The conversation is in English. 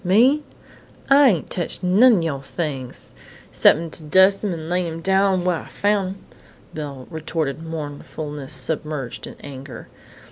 "Me?... I ain't teched none o' yoah things, 'cep'n to dus' 'em and lay 'em down whar I foun' 'em," Belle retorted, mournfulness submerged in anger.